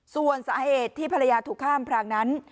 ส่วนสาเหตุที่ภรรยาถูกข้ามพรางนั้น